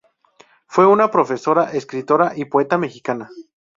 Fue una profesora, escritora y poeta mexicana.